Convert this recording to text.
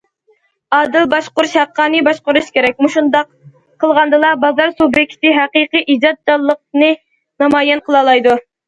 ئادىل باشقۇرۇش، ھەققانىي باشقۇرۇش كېرەك، مۇشۇنداق قىلغاندىلا بازار سۇبيېكتى ھەقىقىي ئىجادچانلىقىنى نامايان قىلالايدۇ.